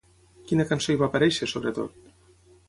Quina cançó hi va aparèixer sobretot?